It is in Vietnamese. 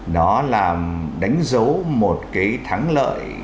nó làm đánh dấu một cái thắng lợi